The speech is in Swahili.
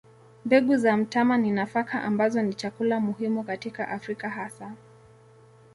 Mbegu za mtama ni nafaka ambazo ni chakula muhimu katika Afrika hasa.